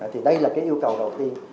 thì đây là yêu cầu đầu tiên